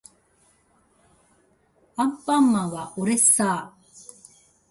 アンパンマンはおれっさー